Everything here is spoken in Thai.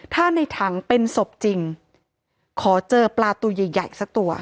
ถ้าในถังเป็นศพจริงขอเจอปลาตัวใหญ่ใหญ่สักตัว